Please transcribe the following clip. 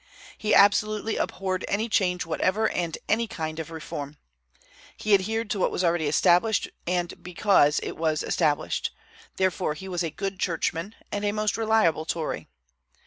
He absolutely abhorred any change whatever and any kind of reform. He adhered to what was already established, and because it was established; therefore he was a good churchman and a most reliable Tory.